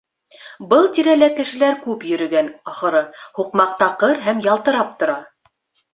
Был тирәлә кешеләр күп йөрөгән, ахыры, һуҡмаҡ таҡыр һәм ялтырап ята.